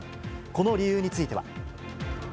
この理由については。